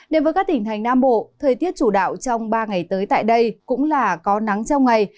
đến với các tỉnh thành nam bộ thời tiết chủ đạo trong ba ngày tới tại đây cũng là có nắng trong ngày